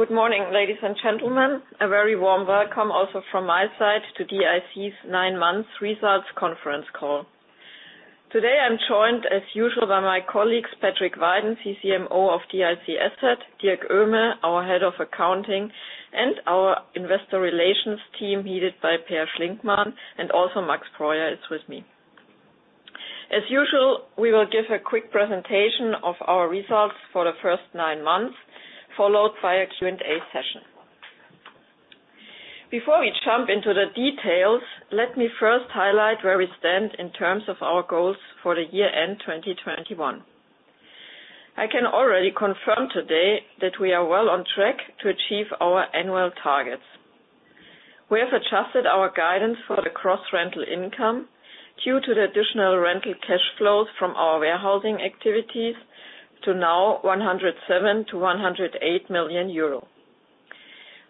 Good morning, ladies and gentlemen. A very warm welcome also from my side to DIC's nine months results conference call. Today I'm joined, as usual, by my colleagues, Patrick Weiden, CCMO of DIC Asset, Dirk Oehme, our head of accounting, and our investor relations team headed by Peer Schlinkmann, and also Max Breuer is with me. As usual, we will give a quick presentation of our results for the first nine months, followed by a Q&A session. Before we jump into the details, let me first highlight where we stand in terms of our goals for the year-end 2021. I can already confirm today that we are well on track to achieve our annual targets. We have adjusted our guidance for the gross rental income due to the additional rental cash flows from our warehousing activities to now 107 million-108 million euro.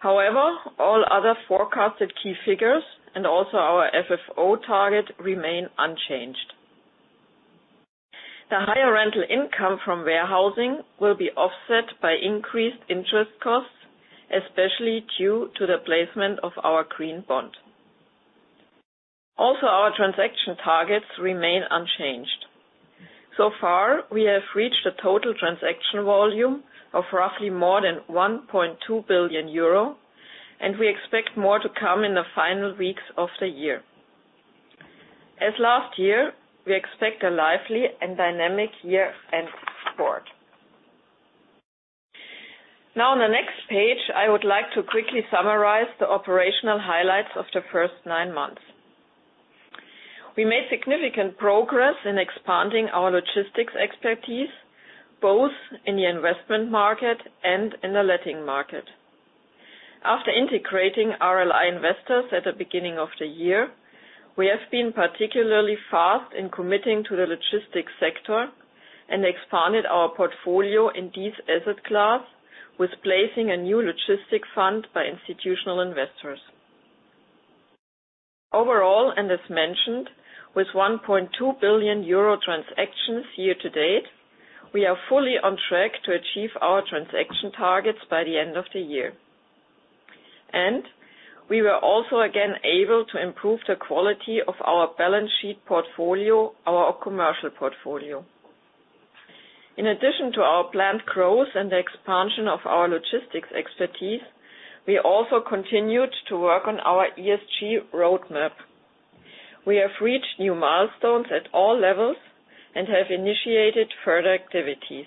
However, all other forecasted key figures and also our FFO target remain unchanged. The higher rental income from warehousing will be offset by increased interest costs, especially due to the placement of our Green Bond. Also, our transaction targets remain unchanged. So far, we have reached a total transaction volume of roughly more than 1.2 billion euro, and we expect more to come in the final weeks of the year. As last year, we expect a lively and dynamic year-end spurt. Now in the next page, I would like to quickly summarize the operational highlights of the first nine months. We made significant progress in expanding our logistics expertise, both in the investment market and in the letting market. After integrating RLI Investors at the beginning of the year, we have been particularly fast in committing to the logistics sector and expanded our portfolio in this asset class with placing a new logistics fund by institutional investors. Overall, and as mentioned, with 1.2 billion euro transactions year to date, we are fully on track to achieve our transaction targets by the end of the year. We were also again able to improve the quality of our balance sheet portfolio, our Commercial Portfolio. In addition to our planned growth and the expansion of our logistics expertise, we also continued to work on our ESG roadmap. We have reached new milestones at all levels and have initiated further activities.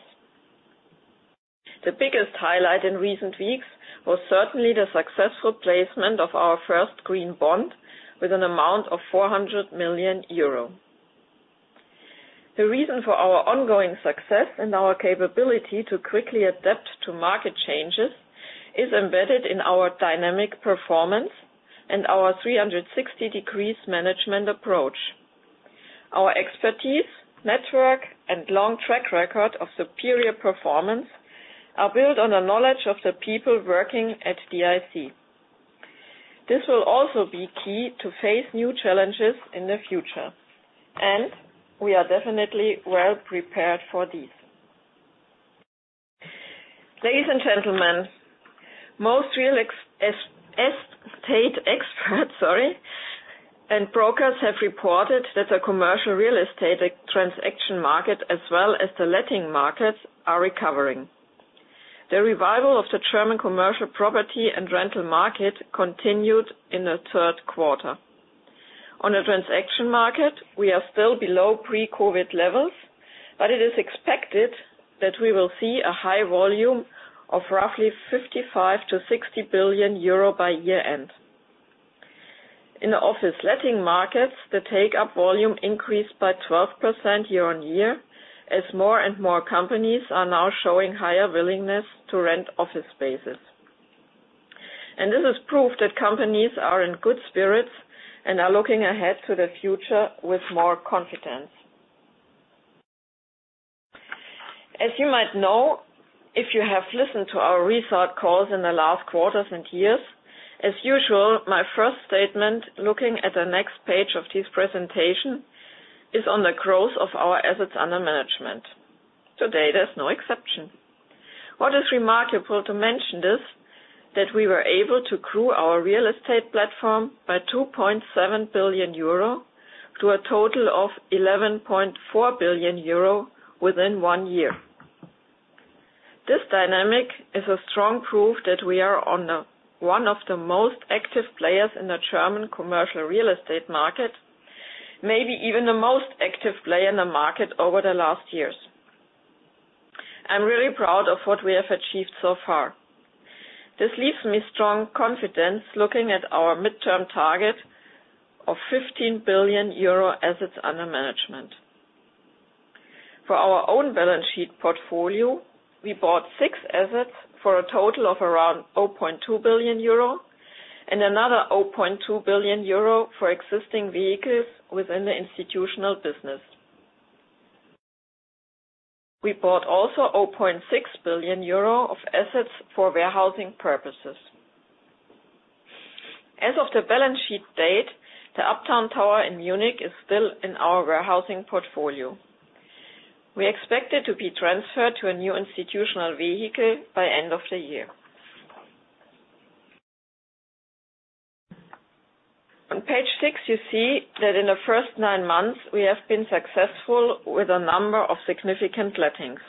The biggest highlight in recent weeks was certainly the successful placement of our first Green Bond with an amount of 400 million euro. The reason for our ongoing success and our capability to quickly adapt to market changes is embedded in our dynamic performance and our 360-degree management approach. Our expertise, network, and long track record of superior performance are built on the knowledge of the people working at DIC. This will also be key to face new challenges in the future, and we are definitely well prepared for these. Ladies and gentlemen, most real estate experts, sorry, and brokers have reported that the commercial real estate transaction market as well as the letting markets are recovering. The revival of the German commercial property and rental market continued in the third quarter. On the transaction market, we are still below pre-COVID levels, but it is expected that we will see a high volume of roughly 55 billion-60 billion euro by year-end. In the office letting markets, the take-up volume increased by 12% year-over-year, as more and more companies are now showing higher willingness to rent office spaces. This is proof that companies are in good spirits and are looking ahead to the future with more confidence. As you might know, if you have listened to our result calls in the last quarters and years, as usual, my first statement looking at the next page of this presentation is on the growth of our assets under management. Today, there's no exception. What is remarkable to mention this, that we were able to grow our real estate platform by 27 billion euro to a total of 11.4 billion euro within one year. This dynamic is a strong proof that we are one of the most active players in the German commercial real estate market, maybe even the most active player in the market over the last years. I'm really proud of what we have achieved so far. This leaves me strong confidence looking at our midterm target of 15 billion euro assets under management. For our own balance sheet portfolio, we bought six assets for a total of around 0.2 billion euro and another 0.2 billion euro for existing vehicles within the institutional business. We bought also 0.6 billion euro of assets for warehousing purposes. As of the balance sheet date, the Uptown Tower in Munich is still in our warehousing portfolio. We expect it to be transferred to a new institutional vehicle by end of the year. On page six, you see that in the first nine months, we have been successful with a number of significant lettings.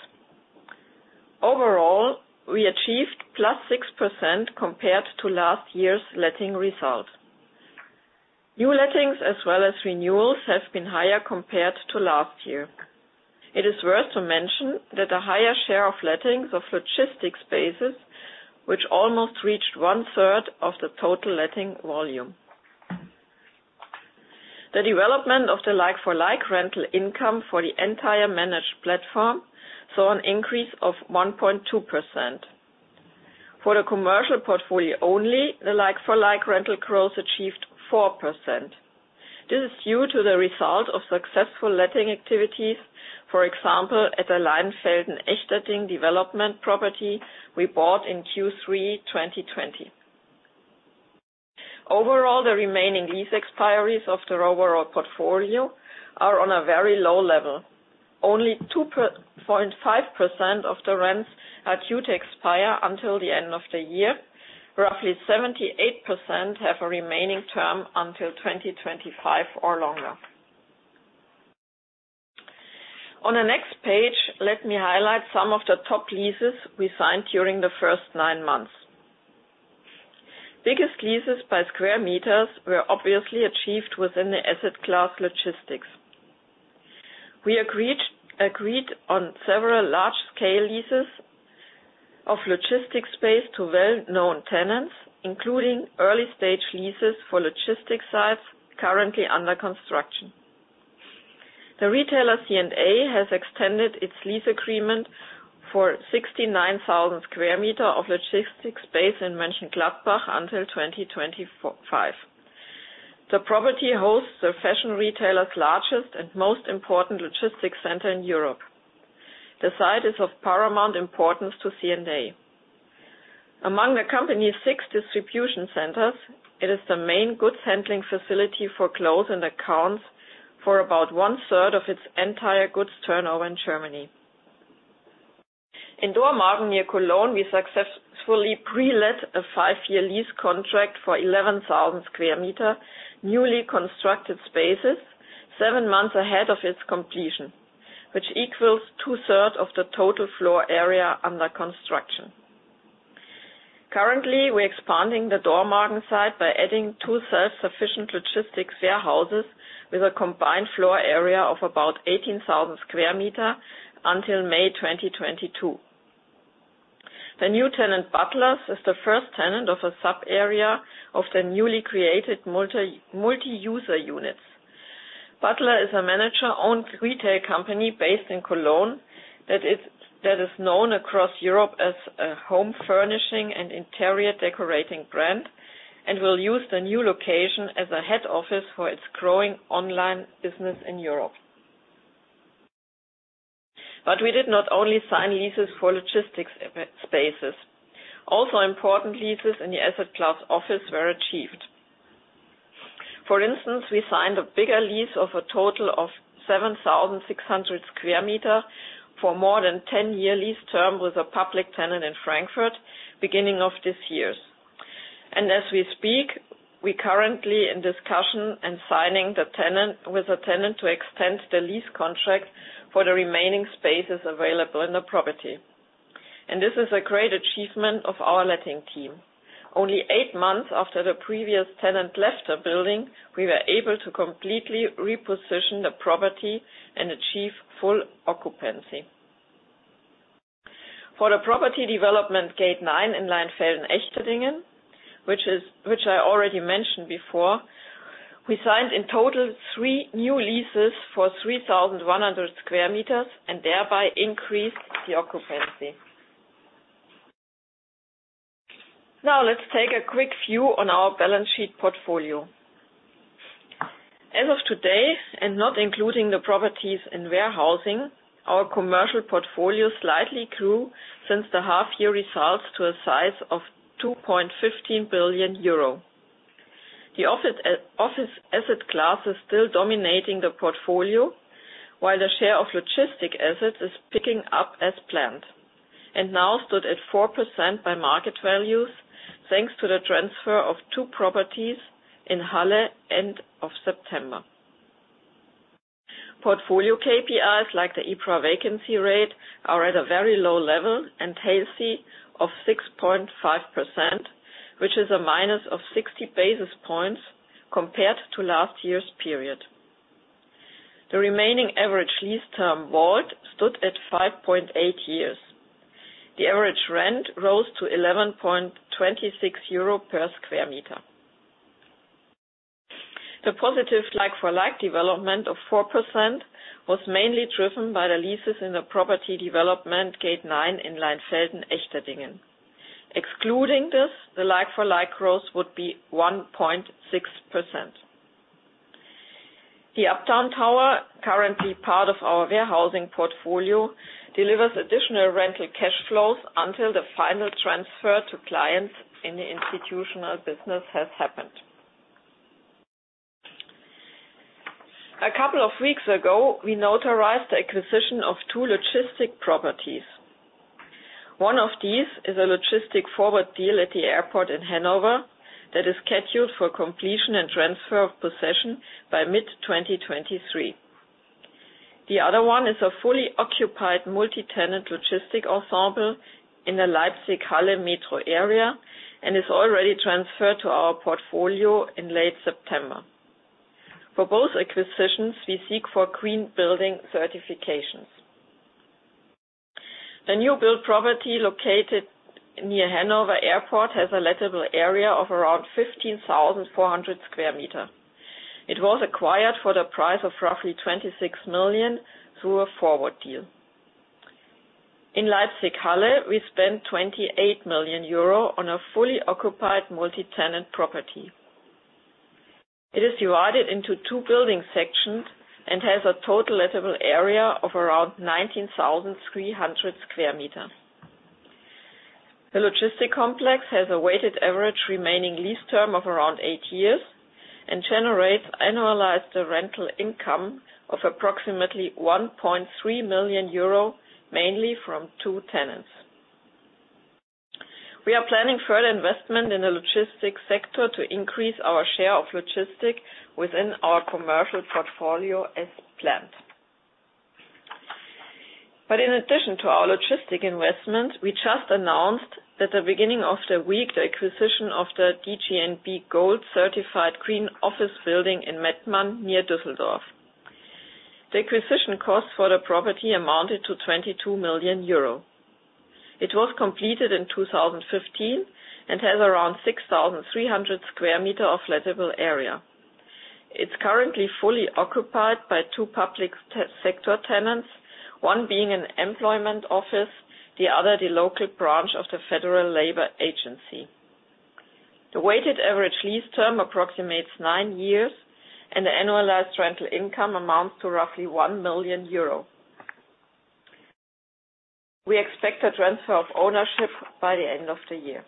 Overall, we achieved +6% compared to last year's letting result. New lettings as well as renewals have been higher compared to last year. It is worth mentioning that the higher share of lettings of logistics spaces which almost reached one-third of the total letting volume. The development of the like-for-like rental income for the entire managed platform saw an increase of 1.2%. For the Commercial Portfolio only, the like-for-like rental growth achieved 4%. This is due to the result of successful letting activities, for example, at the Leinfelden-Echterdingen development property we bought in Q3 2020. Overall, the remaining lease expiries of the overall portfolio are on a very low level. Only 2.5% of the rents are due to expire until the end of the year. Roughly 78% have a remaining term until 2025 or longer. On the next page, let me highlight some of the top leases we signed during the first nine months. Biggest leases by square meters were obviously achieved within the asset class logistics. We agreed on several large-scale leases of logistics space to well-known tenants, including early-stage leases for logistics sites currently under construction. The retailer C&A has extended its lease agreement for 69,000 sq m of logistics space in Mönchengladbach until 2025. The property hosts the fashion retailer's largest and most important logistics center in Europe. The site is of paramount importance to C&A. Among the company's six distribution centers, it is the main goods handling facility for clothes and accounts for about one-third of its entire goods turnover in Germany. In Dormagen, near Cologne, we successfully pre-let a five-year lease contract for 11,000 sq m, newly constructed spaces seven months ahead of its completion, which equals 2/3 of the total floor area under construction. Currently, we're expanding the Dormagen site by adding two self-sufficient logistics warehouses with a combined floor area of about 18,000 sq m until May 2022. The new tenant, Butlers, is the first tenant of a sub-area of the newly created multi-user units. Butlers is a manager-owned retail company based in Cologne that is known across Europe as a home furnishing and interior decorating brand and will use the new location as a head office for its growing online business in Europe. We did not only sign leases for logistics spaces. Also important leases in the asset class office were achieved. For instance, we signed a bigger lease of a total of 7,600 sq m for more than 10-year lease term with a public tenant in Frankfurt beginning of this year. As we speak, we currently in discussion and signing with a tenant to extend the lease contract for the remaining spaces available in the property. This is a great achievement of our letting team. Only eight months after the previous tenant left the building, we were able to completely reposition the property and achieve full occupancy. For the property development Gate 9 in Leinfelden-Echterdingen, which I already mentioned before, we signed in total three new leases for 3,100 sq m and thereby increased the occupancy. Now let's take a quick view on our balance sheet portfolio. As of today, and not including the properties in warehousing, our Commercial Portfolio slightly grew since the half year results to a size of 2.15 billion euro. The office asset class is still dominating the portfolio, while the share of logistics assets is picking up as planned and now stood at 4% by market values, thanks to the transfer of two properties in Halle end of September. Portfolio KPIs like the EPRA Vacancy Rate are at a very low level and is 6.5%, which is a minus of 60 basis points compared to last year's period. The remaining average lease term WAULT stood at 5.8 years. The average rent rose to 11.26 euro per sq m. The positive like-for-like development of 4% was mainly driven by the leases in the property development Gate 9 in Leinfelden-Echterdingen. Excluding this, the like-for-like growth would be 1.6%. The Uptown Tower, currently part of our warehousing portfolio, delivers additional rental cash flows until the final transfer to clients in the institutional business has happened. A couple of weeks ago, we notarized the acquisition of two logistics properties. One of these is a logistics forward deal at the airport in Hanover that is scheduled for completion and transfer of possession by mid-2023. The other one is a fully occupied multi-tenant logistics ensemble in the Leipzig/Halle metro area and is already transferred to our portfolio in late September. For both acquisitions, we seek for green building certifications. The new build property located near Hanover Airport has a lettable area of around 15,400 sq m. It was acquired for the price of roughly 26 million through a forward deal. In Leipzig/Halle, we spent 28 million euro on a fully occupied multi-tenant property. It is divided into two building sections and has a total lettable area of around 19,300 sq m. The logistics complex has a weighted average remaining lease term of around eight years and generates annualized rental income of approximately 1.3 million euro, mainly from two tenants. We are planning further investment in the logistics sector to increase our share of logistics within our Commercial Portfolio as planned. In addition to our logistics investment, we just announced at the beginning of the week the acquisition of the DGNB gold-certified green office building in Mettmann near Düsseldorf. The acquisition cost for the property amounted to 22 million euro. It was completed in 2015 and has around 6,300 sq m of lettable area. It's currently fully occupied by two public sector tenants, one being an employment office, the other the local branch of the Federal Employment Agency. The weighted average lease term approximates nine years, and the annualized rental income amounts to roughly 1 million euro. We expect the transfer of ownership by the end of the year.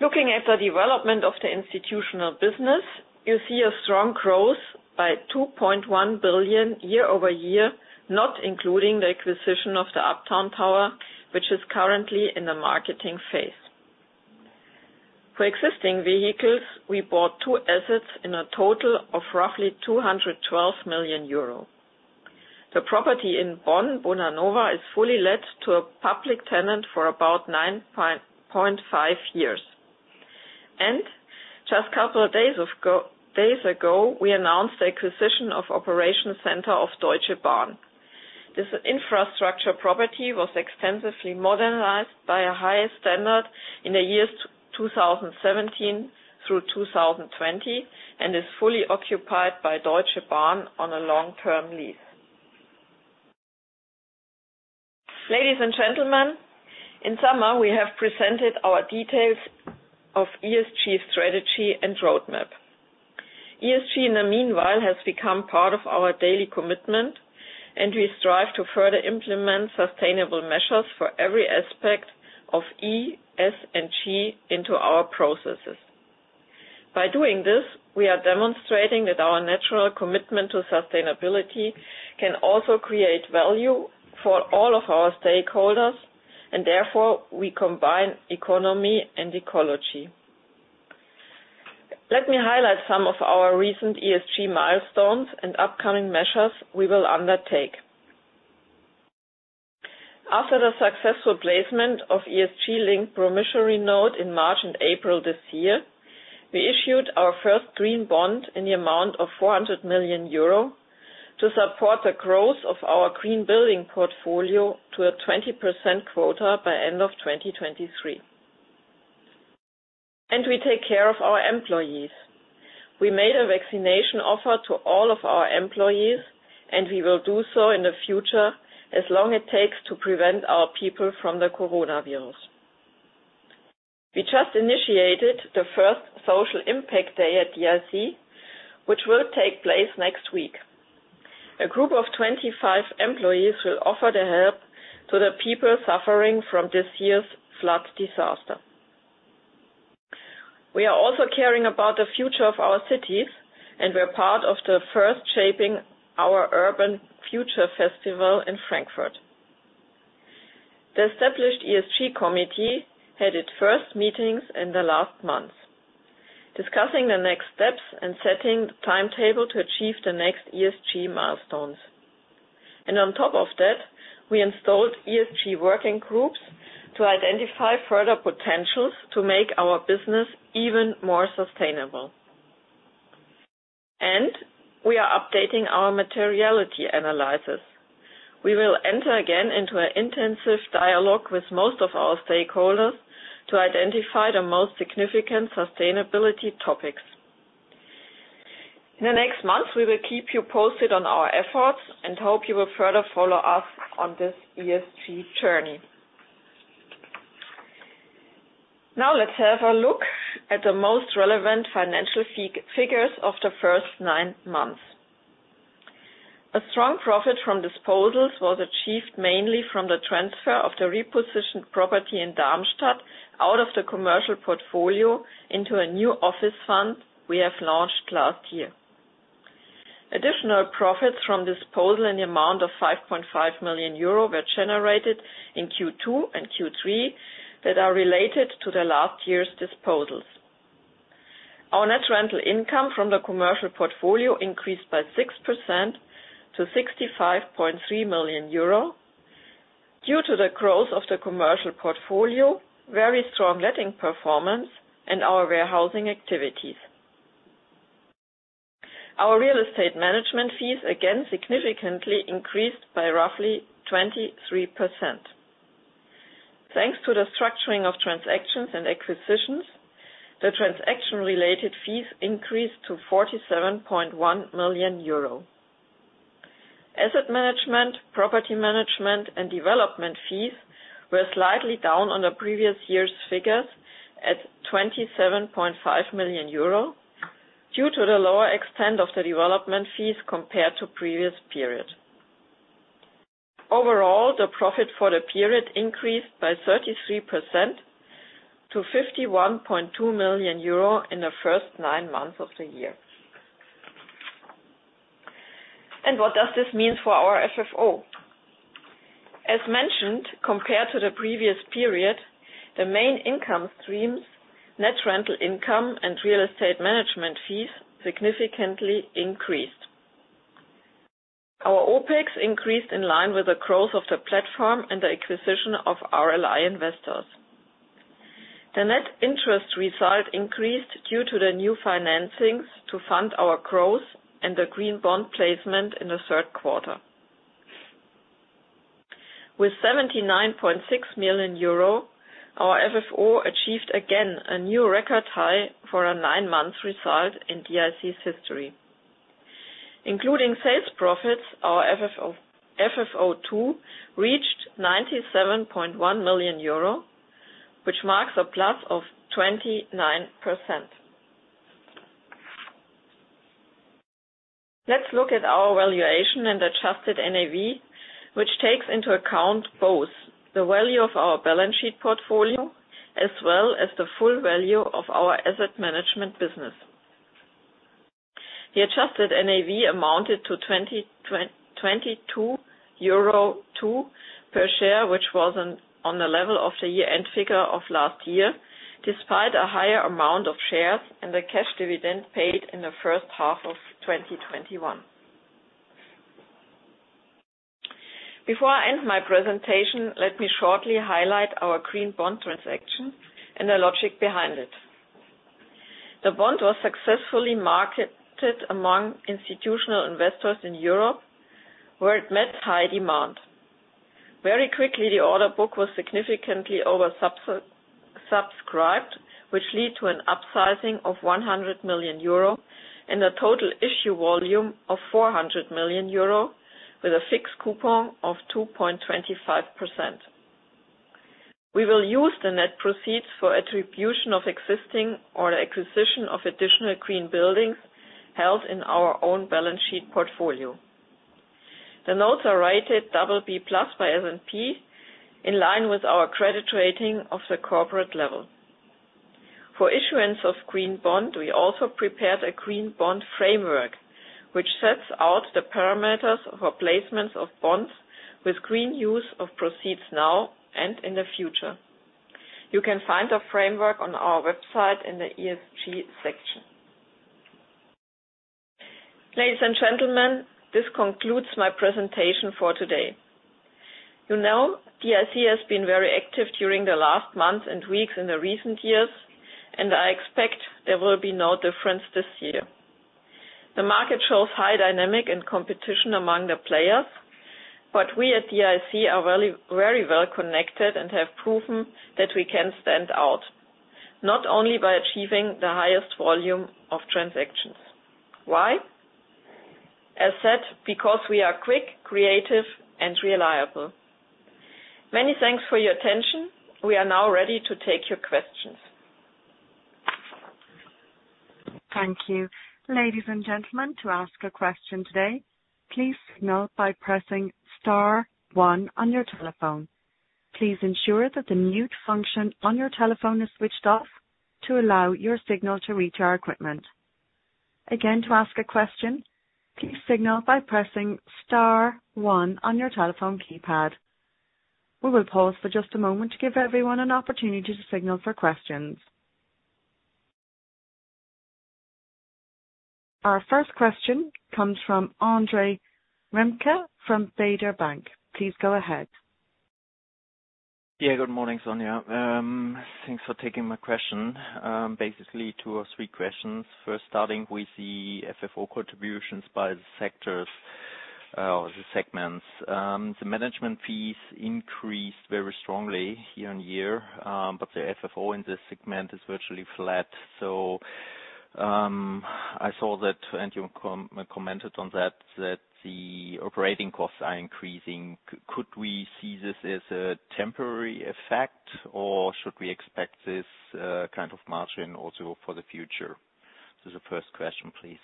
Looking at the development of the institutional business, you see a strong growth by 2.1 billion year-over-year, not including the acquisition of the Uptown Tower, which is currently in the marketing phase. For existing vehicles, we bought two assets in a total of roughly 212 million euro. The property in Bonn, Bonnanova, is fully let to a public tenant for about 9.5 years. Just a couple of days ago, we announced the acquisition of operation center of Deutsche Bahn. This infrastructure property was extensively modernized to a higher standard in the years 2017 through 2020 and is fully occupied by Deutsche Bahn on a long-term lease. Ladies and gentlemen, in summer, we have presented the details of our ESG strategy and roadmap. ESG, in the meanwhile, has become part of our daily commitment, and we strive to further implement sustainable measures for every aspect of E, S, and G into our processes. By doing this, we are demonstrating that our natural commitment to sustainability can also create value for all of our stakeholders, and therefore we combine economy and ecology. Let me highlight some of our recent ESG milestones and upcoming measures we will undertake. After the successful placement of ESG-linked promissory note in March and April this year, we issued our first green bond in the amount of 400 million euro to support the growth of our green building portfolio to a 20% quota by end of 2023. We take care of our employees. We made a vaccination offer to all of our employees, and we will do so in the future as long as it takes to prevent our people from the coronavirus. We just initiated the first Social Impact Day at DIC, which will take place next week. A group of 25 employees will offer their help to the people suffering from this year's flood disaster. We are also caring about the future of our cities, and we're part of the first Shaping Our Urban Phuture Festival in Frankfurt. The established ESG committee had its first meetings in the last month, discussing the next steps and setting the timetable to achieve the next ESG milestones. On top of that, we installed ESG working groups to identify further potentials to make our business even more sustainable. We are updating our materiality analysis. We will enter again into an intensive dialogue with most of our stakeholders to identify the most significant sustainability topics. In the next months, we will keep you posted on our efforts and hope you will further follow us on this ESG journey. Now let's have a look at the most relevant financial figures of the first nine months. A strong profit from disposals was achieved mainly from the transfer of the repositioned property in Darmstadt out of the Commercial Portfolio into a new office fund we have launched last year. Additional profits from disposal in the amount of 5.5 million euro were generated in Q2 and Q3 that are related to the last year's disposals. Our net rental income from the Commercial Portfolio increased by 6% to 65.3 million euro due to the growth of the Commercial Portfolio, very strong letting performance and our warehousing activities. Our real estate management fees again significantly increased by roughly 23%. Thanks to the structuring of transactions and acquisitions, the transaction-related fees increased to 47.1 million euro. Asset management, property management, and development fees were slightly down on the previous year's figures at 27.5 million euro due to the lower extent of the development fees compared to previous period. Overall, the profit for the period increased by 33% to 51.2 million euro in the first nine months of the year. What does this mean for our FFO? As mentioned, compared to the previous period, the main income streams, net rental income and real estate management fees significantly increased. Our OpEx increased in line with the growth of the platform and the acquisition of RLI Investors. The net interest result increased due to the new financings to fund our growth and the Green Bond placement in the third quarter. With 79.6 million euro, our FFO achieved again a new record high for a nine-month result in DIC's history. Including sales profits, our FFO II reached 97.1 million euro, which marks a plus of 29%. Let's look at our valuation and adjusted NAV, which takes into account both the value of our balance sheet portfolio as well as the full value of our asset management business. The adjusted NAV amounted to 22.02 euro per share, which was on the level of the year-end figure of last year, despite a higher amount of shares and the cash dividend paid in the first half of 2021. Before I end my presentation, let me shortly highlight our Green Bond transaction and the logic behind it. The bond was successfully marketed among institutional investors in Europe, where it met high demand. Very quickly, the order book was significantly oversubscribed, which lead to an upsizing of 100 million euro and a total issue volume of 400 million euro with a fixed coupon of 2.25%. We will use the net proceeds for allocation of existing or acquisition of additional green buildings held in our own balance sheet portfolio. The notes are rated BB+ by S&P, in line with our credit rating of the corporate level. For issuance of Green Bond, we also prepared a Green Bond framework, which sets out the parameters for placements of bonds with green use of proceeds now and in the future. You can find the framework on our website in the ESG section. Ladies and gentlemen, this concludes my presentation for today. You know, DIC has been very active during the last months and weeks in the recent years, and I expect there will be no difference this year. The market shows high dynamics and competition among the players, but we at DIC are very, very well connected and have proven that we can stand out, not only by achieving the highest volume of transactions. Why? As said, because we are quick, creative and reliable. Many thanks for your attention. We are now ready to take your questions. Thank you. Ladies and gentlemen, to ask a question today, please signal by pressing star one on your telephone. Please ensure that the mute function on your telephone is switched off to allow your signal to reach our equipment. Again, to ask a question, please signal by pressing star one on your telephone keypad. We will pause for just a moment to give everyone an opportunity to signal for questions. Our first question comes from André Remke from Baader Bank. Please go ahead. Yeah, good morning, Sonja. Thanks for taking my question. Basically two or three questions. First, starting with the FFO contributions by the sectors or the segments. The management fees increased very strongly year-on-year, but the FFO in this segment is virtually flat. I saw that and you commented on that the operating costs are increasing. Could we see this as a temporary effect, or should we expect this kind of margin also for the future? This is the first question, please.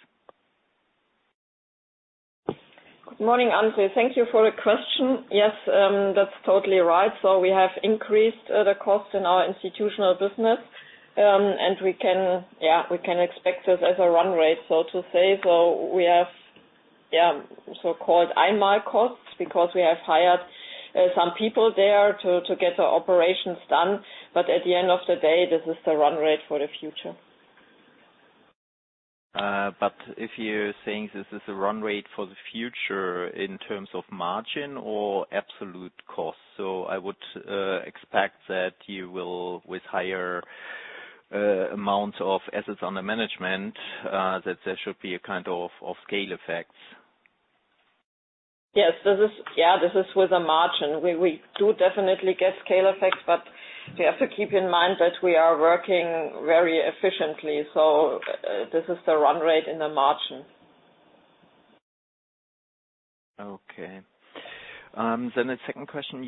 Good morning, André. Thank you for the question. Yes, that's totally right. We have increased the cost in our institutional business. We can expect this as a run rate, so to say. We have so-called Einmal costs because we have hired some people there to get the operations done. At the end of the day, this is the run rate for the future. If you're saying this is a run rate for the future in terms of margin or absolute cost. I would expect that you will, with higher amounts of assets under management, that there should be a kind of scale effects. Yes. This is with the margin. We do definitely get scale effects, but we have to keep in mind that we are working very efficiently. This is the run rate in the margin. Okay. The second question: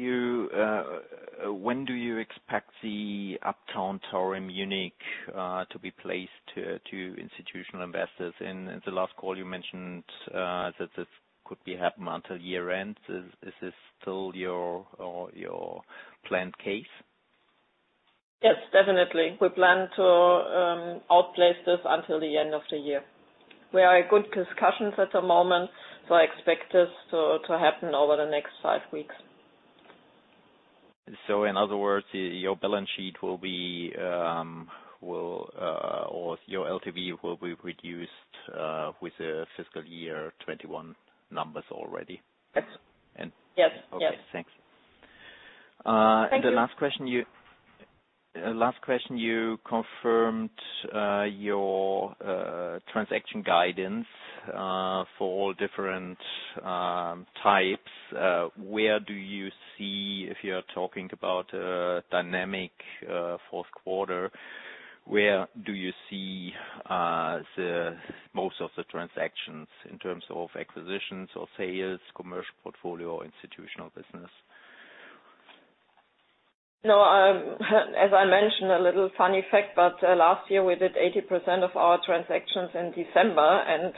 when do you expect the Uptown Tower in Munich to be placed to institutional investors? In the last call you mentioned that this could happen until year-end. Is this still your planned case? Yes, definitely. We plan to outplace this until the end of the year. We are in good discussions at the moment, so I expect this to happen over the next five weeks. In other words, your balance sheet will be, or your LTV will be reduced, with the fiscal year 2021 numbers already? Yes. And- Yes. Yes. Okay. Thank you. Thank you. Last question, you confirmed your transaction guidance for all different types. Where do you see the most of the transactions in terms of acquisitions or sales, Commercial Portfolio, institutional business? No, as I mentioned, a little funny fact, but last year we did 80% of our transactions in December.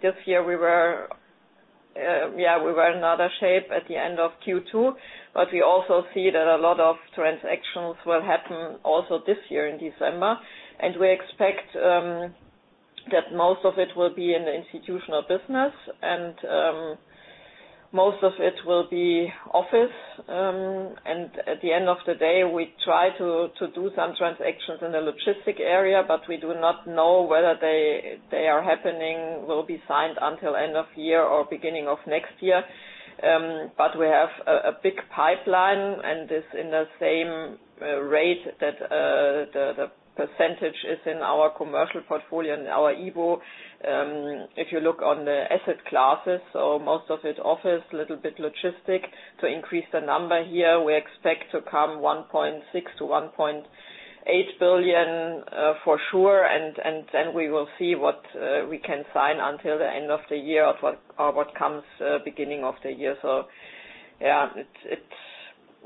This year we were in better shape at the end of Q2. We also see that a lot of transactions will happen also this year in December. We expect that most of it will be in the institutional business and most of it will be office. At the end of the day, we try to do some transactions in the logistics area, but we do not know whether they are happening, will be signed until end of the year or beginning of next year. We have a big pipeline and this in the same rate that the percentage is in our Commercial Portfolio, in our AuM, if you look on the asset classes. Most of it office, little bit logistics to increase the number here. We expect to come 1.6 billion-1.8 billion, for sure and then we will see what we can sign until the end of the year or what comes beginning of the year. It's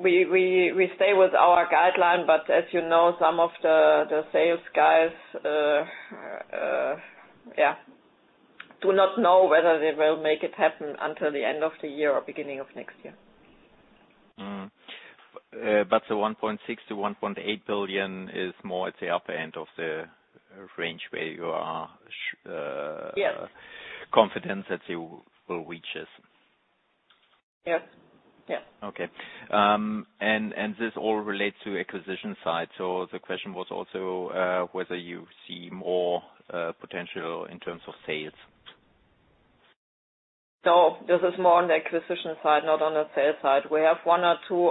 we stay with our guideline, but as you know, some of the sales guys yeah do not know whether they will make it happen until the end of the year or beginning of next year. The 1.6 billion-1.8 billion is more at the upper end of the range where you are. Yes. confident that you will reach this. Yes. Yes. Okay. This all relates to acquisition side. The question was also whether you see more potential in terms of sales. No, this is more on the acquisition side, not on the sales side. We have one or two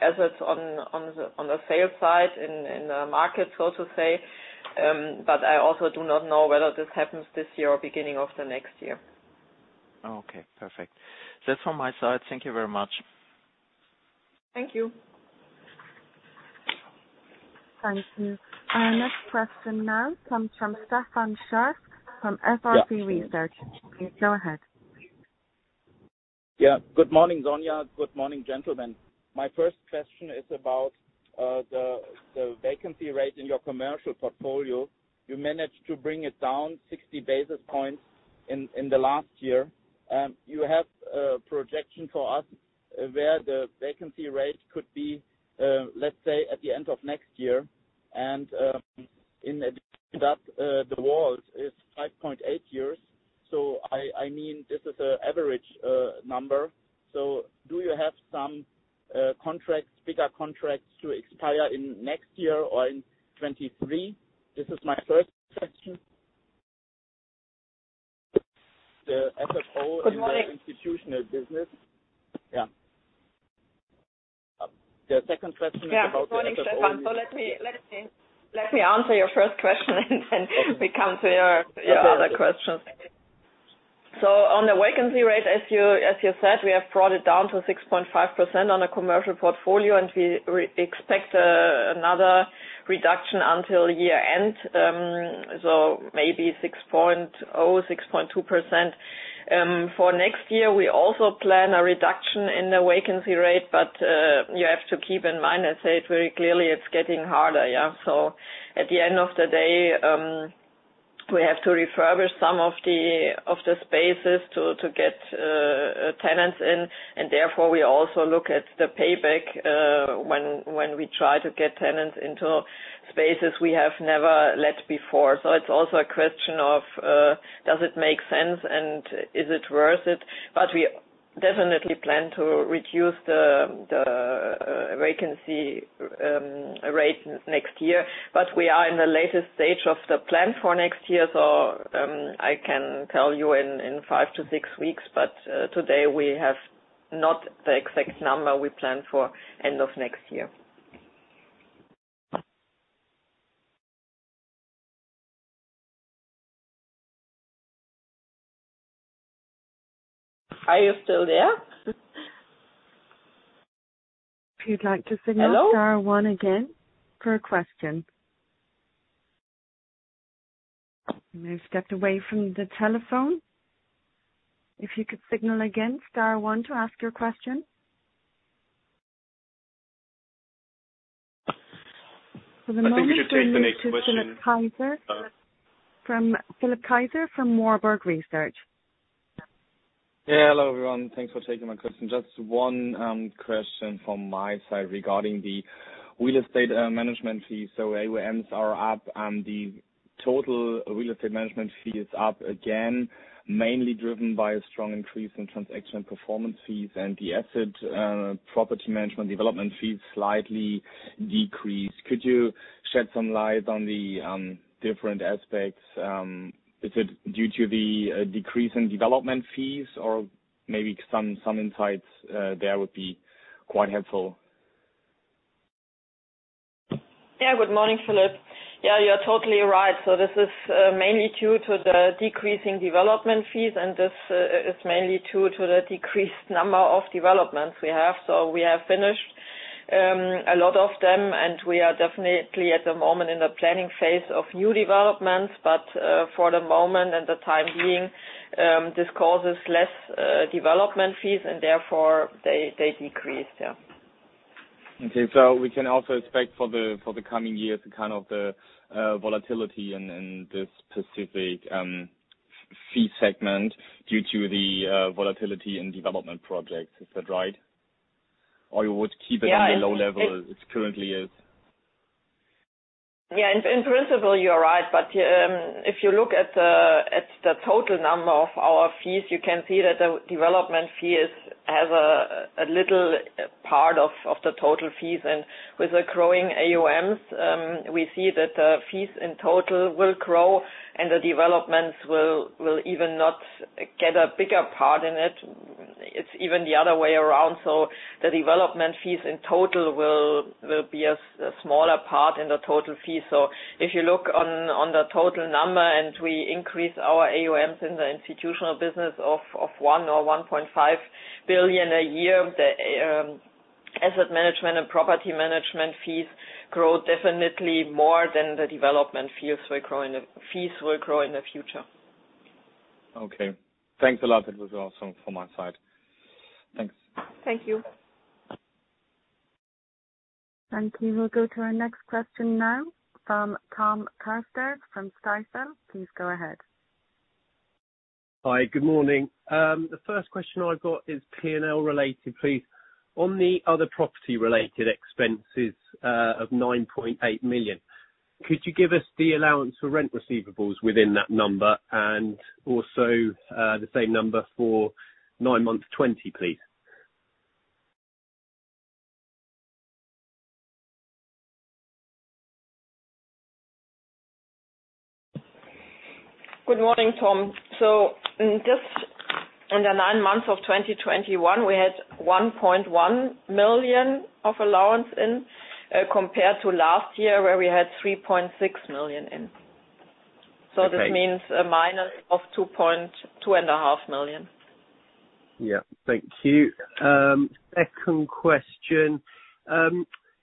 assets on the sales side in the market, so to say. I also do not know whether this happens this year or beginning of the next year. Okay, perfect. That's all my side. Thank you very much. Thank you. Thank you. Our next question now comes from Stefan Scharff from SRC Research. Please go ahead. Yeah. Good morning, Sonja. Good morning, gentlemen. My first question is about the vacancy rate in your commercial portfolio. You managed to bring it down 60 basis points in the last year. You have a projection for us where the vacancy rate could be, let's say, at the end of next year. In addition that, the WAULT is 5.8 years. I mean, this is an average number. Do you have some bigger contracts to expire in next year or in 2023? This is my first question. The FFO- Good morning. in the institutional business. Yeah. The second question is about the FFO. Yeah. Good morning, Stefan. Let me answer your first question and then we come to your other questions. On the vacancy rate, as you said, we have brought it down to 6.5% on a Commercial Portfolio, and we expect another reduction until year-end, so maybe 6.0%-6.2%. For next year, we also plan a reduction in the vacancy rate, but you have to keep in mind, I say it very clearly, it's getting harder, yeah. At the end of the day, we have to refurbish some of the spaces to get tenants in, and therefore we also look at the payback when we try to get tenants into spaces we have never let before. It's also a question of does it make sense and is it worth it? We definitely plan to reduce the vacancy rate next year. We are in the latest stage of the plan for next year, so I can tell you in 5-6 weeks, but today we have not the exact number we plan for end of next year. Are you still there? If you'd like to signal. Hello? - star one again for a question. You may have stepped away from the telephone. If you could signal again star one to ask your question. I think you should take the next question. From Philipp Kaiser, from Warburg Research. Hello, everyone. Thanks for taking my question. Just one question from my side regarding the real estate management fee. AuMs are up and the total real estate management fee is up again, mainly driven by a strong increase in transaction performance fees and the asset property management development fees slightly decreased. Could you shed some light on the different aspects? Is it due to the decrease in development fees? Or maybe some insights there would be quite helpful. Yeah. Good morning, Philipp. Yeah, you're totally right. This is mainly due to the decreasing development fees and this is mainly due to the decreased number of developments we have. We have finished a lot of them, and we are definitely at the moment in the planning phase of new developments. For the moment and the time being, this causes less development fees and therefore they decrease. Yeah. Okay. We can also expect for the coming years kind of the volatility in this specific FFO segment due to the volatility in development projects. Is that right? Or you would keep it- Yeah. on a low level as it currently is? Yeah. In principle, you are right, but if you look at the total number of our fees, you can see that the development fee has a little part of the total fees. With the growing AUMs, we see that fees in total will grow and the developments will even not get a bigger part in it. It's even the other way around. The development fees in total will be a smaller part in the total fee. If you look on the total number and we increase our AUMs in the institutional business of 1 billion-1.5 billion a year, the asset management and property management fees grow definitely more than the development fees will grow in the future. Okay. Thanks a lot. That was all from my side. Thanks. Thank you. We will go to our next question now from Thomas Neuhold from Kepler Cheuvreux. Please go ahead. Hi. Good morning. The first question I've got is P&L related, please. On the other property related expenses of 9.8 million, could you give us the allowance for rent receivables within that number and also the same number for nine months 2020, please? Good morning, Tom. In the nine months of 2021, we had 1.1 million of allowance income compared to last year, where we had 3.6 million income. Okay. This means a minus of 2.25 million. Yeah. Thank you. Second question. Can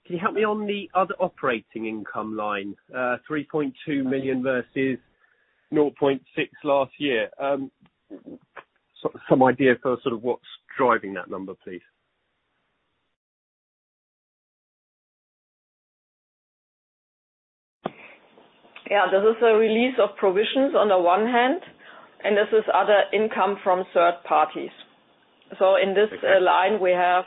you help me on the other operating income line, 3.2 million versus 0.6 million last year? Some idea for sort of what's driving that number, please. Yeah. This is a release of provisions on the one hand and this is other income from third parties. Okay. In this line, we have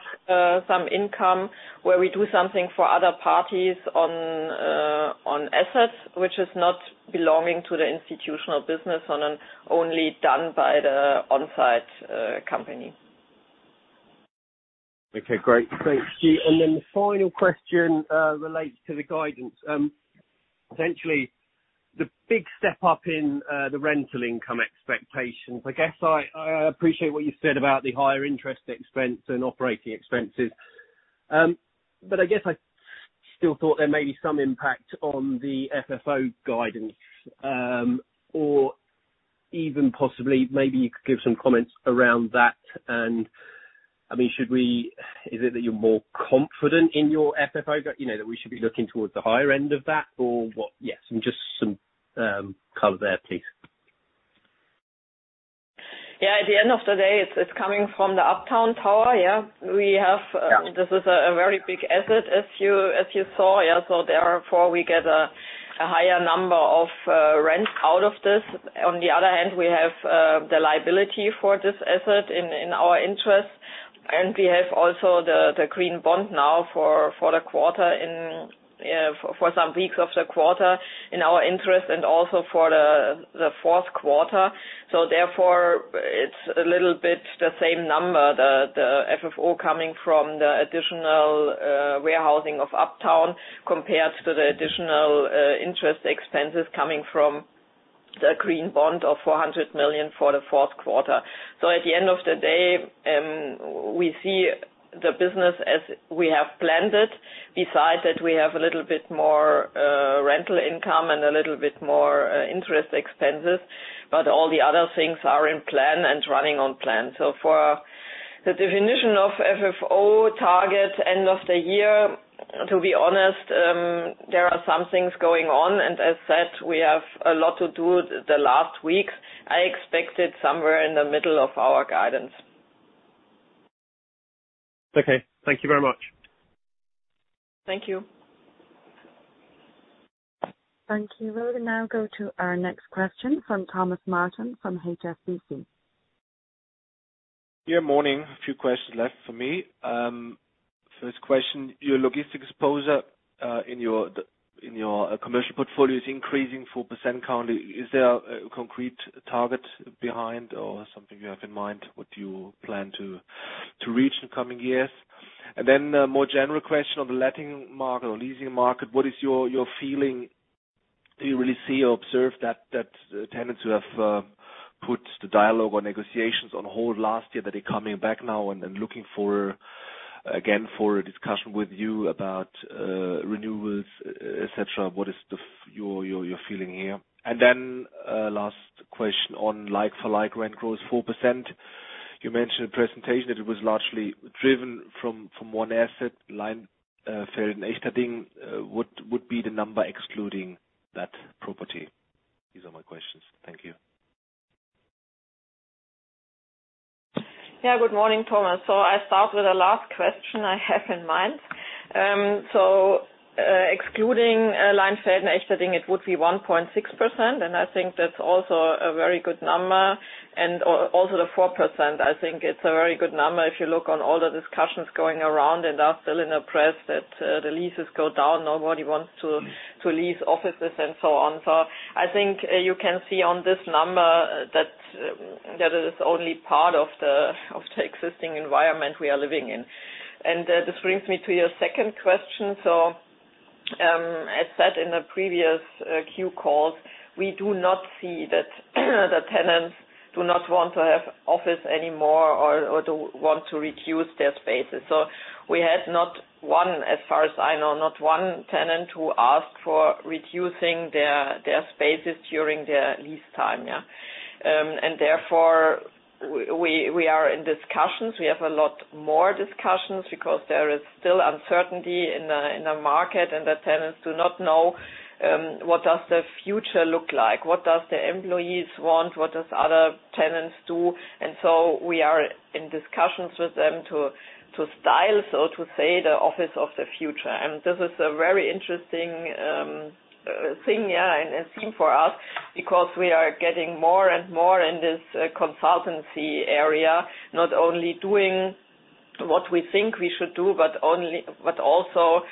some income where we do something for other parties on assets which is not belonging to the institutional business, only done by the on-site company. Okay, great. Thanks. Then the final question relates to the guidance. Essentially the big step-up in the rental income expectations. I guess I appreciate what you said about the higher interest expense and operating expenses. But I guess I still thought there may be some impact on the FFO guidance, or even possibly maybe you could give some comments around that. I mean, is it that you're more confident in your FFO, you know, that we should be looking towards the higher end of that or what? Yes, and just some color there, please. Yeah. At the end of the day, it's coming from the Uptown Tower. Yeah. We have this is a very big asset as you saw. Yeah. Therefore, we get a higher number of rent out of this. On the other hand, we have the liability for this asset in our interest. We have also the Green Bond now for the quarter for some weeks of the quarter in our interest and also for the fourth quarter. Therefore it's a little bit the same number, the FFO coming from the additional warehousing of Uptown compared to the additional interest expenses coming from the Green Bond of 400 million for the fourth quarter. At the end of the day, we see the business as we have planned it. Besides that, we have a little bit more rental income and a little bit more interest expenses, but all the other things are in plan and running on plan. For the definition of FFO target end of the year, to be honest, there are some things going on, and as said, we have a lot to do the last week. I expect it somewhere in the middle of our guidance. Okay. Thank you very much. Thank you. Thank you. We'll now go to our next question from Thomas Martin from HSBC. Yeah, morning. A few questions left for me. First question, your logistics exposure in your Commercial Portfolio is increasing 4% currently. Is there a concrete target behind or something you have in mind what you plan to reach in the coming years? Then a more general question on the letting market or leasing market, what is your feeling? Do you really see or observe that tenants who have put the dialogue or negotiations on hold last year, that they're coming back now and looking again for a discussion with you about renewals, et cetera. What is your feeling here? Then last question on like-for-like rent growth 4%. You mentioned in presentation that it was largely driven from one asset line, Leinfelden-Echterdingen. What would be the number excluding that property? These are my questions. Thank you. Yeah. Good morning, Thomas. I start with the last question I have in mind. Excluding Leinfelden-Echterdingen, it would be 1.6%, and I think that's also a very good number. Also the 4%, I think it's a very good number if you look on all the discussions going around, and are still in the press that the leases go down, nobody wants to lease offices and so on. I think you can see on this number that is only part of the existing environment we are living in. This brings me to your second question. As said in the previous Q calls, we do not see that the tenants do not want to have office anymore or do want to reduce their spaces. We had not one, as far as I know, not one tenant who asked for reducing their spaces during their lease time, yeah. Therefore, we are in discussions. We have a lot more discussions because there is still uncertainty in the market and the tenants do not know what does the future look like, what does the employees want, what does other tenants do. We are in discussions with them to style, so to say, the office of the future. This is a very interesting thing, yeah, and theme for us because we are getting more and more in this consultancy area, not only doing what we think we should do, but also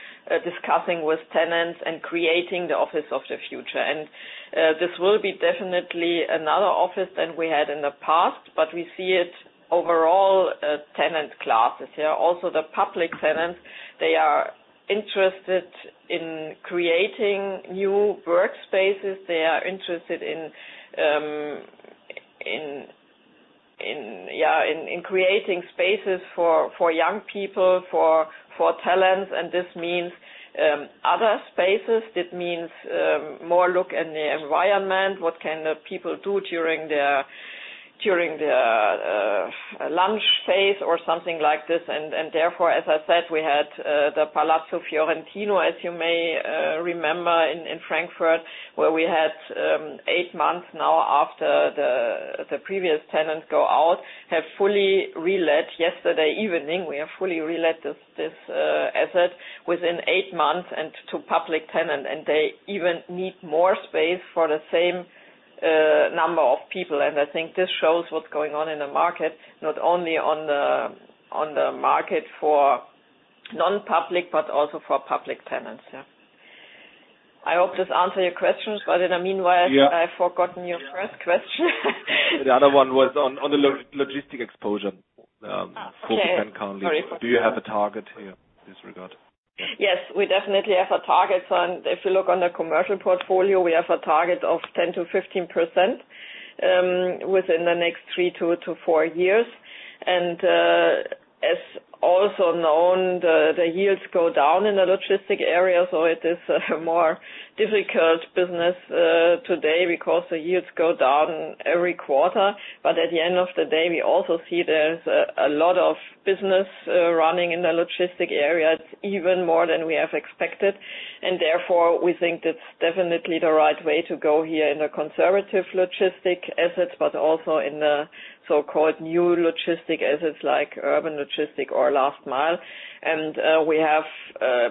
discussing with tenants and creating the office of the future. This will be definitely another office than we had in the past, but we see it overall, tenant classes. Also the public tenants, they are interested in creating new workspaces. They are interested in creating spaces for young people, for talents. This means other spaces. It means more look in the environment. What can the people do during their lunch phase or something like this. Therefore, as I said, we had the Palazzo Fiorentino, as you may remember in Frankfurt, where we had eight months now after the previous tenants go out, have fully relet yesterday evening. We have fully relet this asset within eight months and to public tenant, and they even need more space for the same number of people. I think this shows what's going on in the market, not only on the market for non-public, but also for public tenants. Yeah. I hope this answers your questions, but in the meanwhile. Yeah. I've forgotten your first question. The other one was on the logistics exposure. 4% currently. Okay. Sorry for that. Do you have a target here in this regard? Yeah. Yes, we definitely have a target. If you look on the Commercial Portfolio, we have a target of 10%-15% within the next 3-4 years. As also known, the yields go down in the logistics area. It is a more difficult business today because the yields go down every quarter. At the end of the day, we also see there's a lot of business running in the logistics area, it's even more than we have expected. Therefore, we think that's definitely the right way to go here in the conservative logistics assets, but also in the so-called new logistics assets like urban logistics or last mile. We have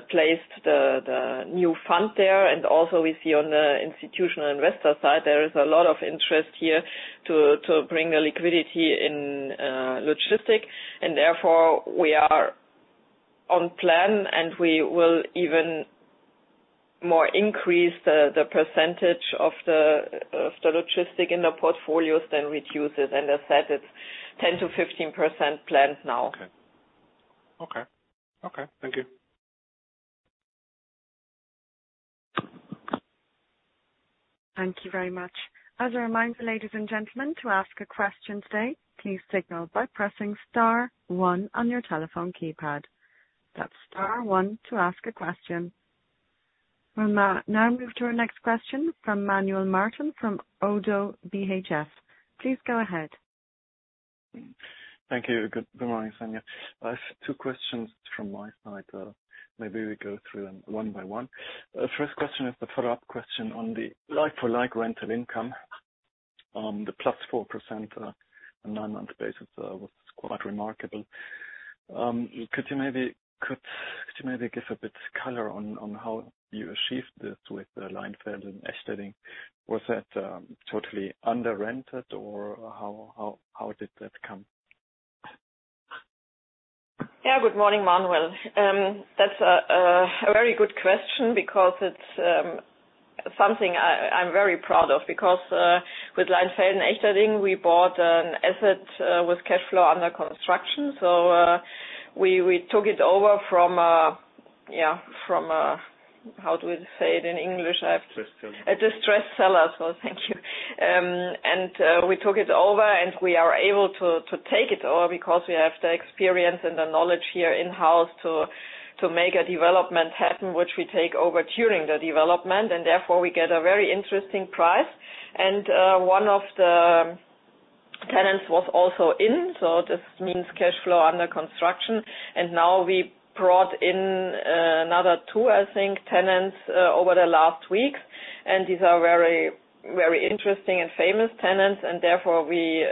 placed the new fund there. We see on the institutional investor side, there is a lot of interest here to bring the liquidity into logistics. Therefore we are on plan, and we will even more increase the percentage of the logistics in the portfolios than reduce it. I said it's 10%-15% planned now. Okay. Thank you very much. As a reminder, ladies and gentlemen, to ask a question today, please signal by pressing star one on your telephone keypad. That's star one to ask a question. We'll now move to our next question from Manuel Martin from ODDO BHF. Please go ahead. Thank you. Good morning, Sonja. I have two questions from my side. Maybe we go through them one by one. First question is the follow-up question on the like-for-like rental income. The plus 4%, nine-month basis, was quite remarkable. Could you maybe give a bit color on how you achieved this with the Leinfelden-Echterdingen? Was that totally under-rented, or how did that come? Yeah. Good morning, Manuel. That's a very good question because it's something I'm very proud of because with Leinfelden-Echterdingen we bought an asset with cash flow under construction. We took it over from how do we say it in English? I have- Distressed seller. A distressed seller. Thank you. We took it over, and we are able to take it over because we have the experience and the knowledge here in-house to make a development happen, which we take over during the development, and therefore we get a very interesting price. One of the tenants was also in, so this means cash flow under construction. Now we brought in another two, I think, tenants over the last weeks. These are very interesting and famous tenants, and therefore we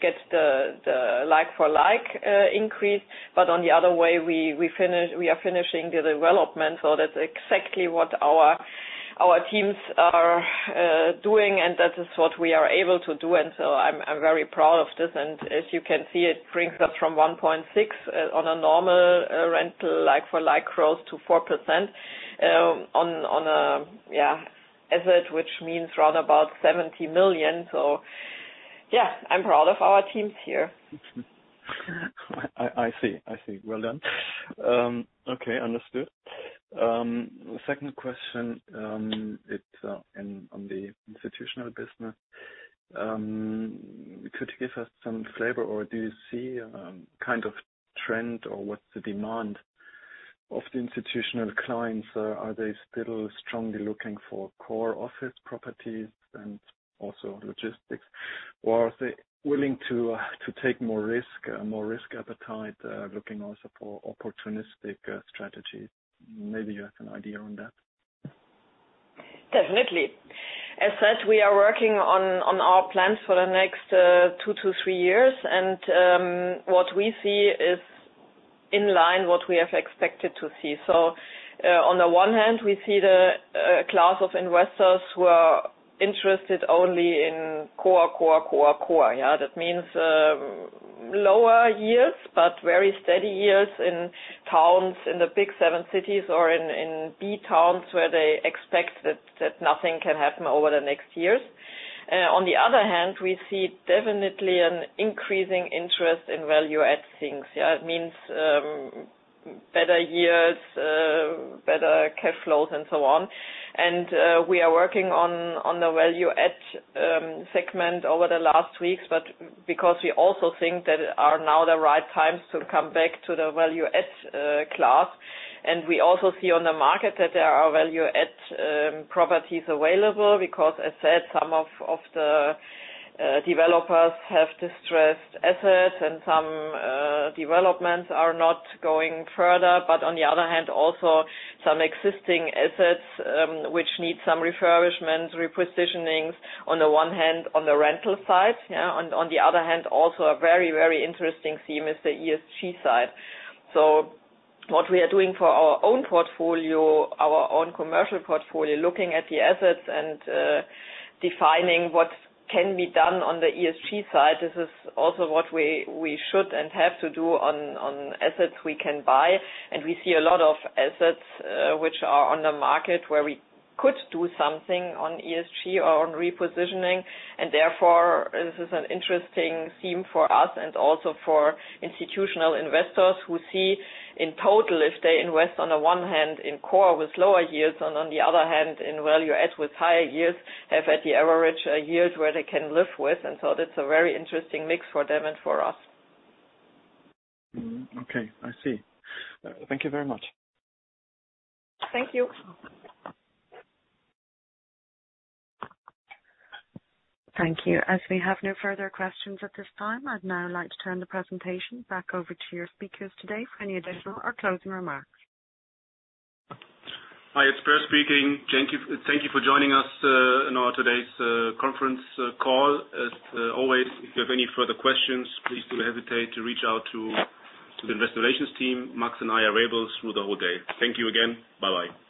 get the like for like increase. But on the other way, we are finishing the development. That's exactly what our teams are doing, and that is what we are able to do. I'm very proud of this. As you can see, it brings us from 1.6% on a normal rental like for like growth to 4%, on a yeah asset which means round about 70 million. Yeah, I'm proud of our teams here. I see. Well done. Okay, understood. Second question, it's on the institutional business. Could you give us some flavor or do you see kind of trend or what's the demand of the institutional clients? Are they still strongly looking for core office properties and also logistics? Or are they willing to take more risk, more risk appetite, looking also for opportunistic strategies? Maybe you have an idea on that. Definitely. As such, we are working on our plans for the next two to three years. What we see is in line with what we have expected to see. On the one hand, we see the class of investors who are interested only in core. Yeah. That means lower yields, but very steady yields in towns in the Big Seven cities or in B towns where they expect that nothing can happen over the next years. On the other hand, we see definitely an increasing interest in value-add things. Yeah. It means better yields, better cash flows and so on. We are working on the value-add segment over the last weeks. Because we also think that are now the right times to come back to the value-add class. We also see on the market that there are value-add properties available because, as said, some of the developers have distressed assets and some developments are not going further. On the other hand, also some existing assets which need some refurbishment, repositionings on the one hand, on the rental side. On the other hand, also a very, very interesting theme is the ESG side. What we are doing for our own portfolio, our own Commercial Portfolio, looking at the assets and defining what can be done on the ESG side. This is also what we should and have to do on assets we can buy, and we see a lot of assets which are on the market where we could do something on ESG or on repositioning. Therefore, this is an interesting theme for us and also for institutional investors who see in total, if they invest on the one hand in core with lower yields and on the other hand in value add with higher yields, have at the average yields where they can live with. That's a very interesting mix for them and for us. Okay, I see. Thank you very much. Thank you. Thank you. As we have no further questions at this time, I'd now like to turn the presentation back over to your speakers today for any additional or closing remarks. Hi, it's Peer speaking. Thank you for joining us in our today's conference call. As always, if you have any further questions, please do not hesitate to reach out to the investor relations team. Max and I are available through the whole day. Thank you again. Bye-bye.